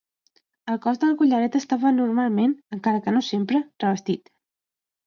El cos del collaret estava normalment, encara que no sempre, revestit.